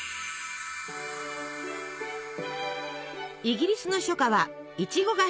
イギリスの初夏はいちごが旬！